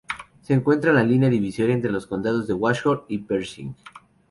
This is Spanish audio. Se encuentra en la línea divisoria entre los condados de Washoe y Pershing.